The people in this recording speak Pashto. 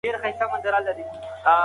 هلک د انا په وړاندې مقاومت کاوه.